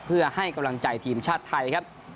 เพื่อให้กำลังใจทีมชาติไทยครับ